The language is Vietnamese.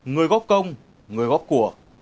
người góp công người góp của